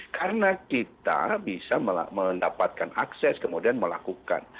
karena kita bisa mendapatkan akses kemudian melakukan